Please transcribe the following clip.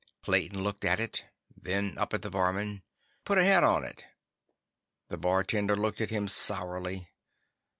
Clayton looked at it, then up at the barman. "Put a head on it." The bartender looked at him sourly.